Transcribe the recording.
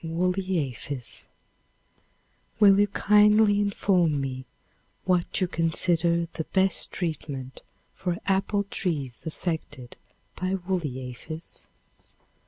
Woolly Aphis. Will you kindly inform me what you consider the best treatment for apple trees affected by woolly aphis?